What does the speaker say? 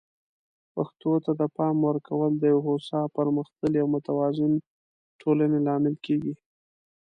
پښتو ته د پام ورکول د یو هوسا، پرمختللي او متوازن ټولنې لامل کیږي.